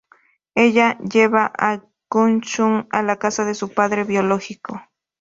Ella lleva a Jung Suh a la casa de su padre biológico.